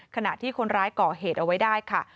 ขณะที่คนร้ายก่อเหตุเอาไว้ได้ค่ะ